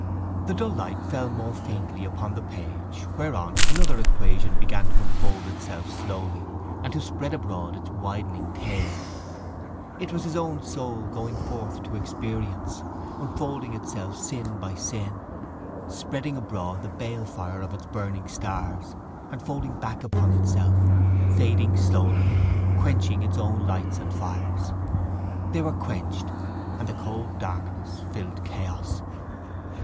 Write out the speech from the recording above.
The dull light fell more faintly upon the page whereon another equation began to unfold itself slowly and to spread abroad its widening tail. It was his own soul going forth to experience, unfolding itself sin by sin, spreading abroad the balefire of its burning stars and folding back upon itself, fading slowly, quenching its own lights and fires. They were quenched: and the cold darkness filled chaos.